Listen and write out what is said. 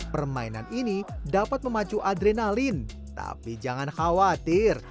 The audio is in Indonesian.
permainan ini dapat memacu adrenalin tapi jangan khawatir